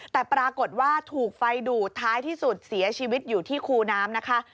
แต่ปรากฏว่าถูกไฟดูดท้ายที่สุดเสียชีวิตอยู่ที่คูน้ำนะคะ